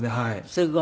すごい。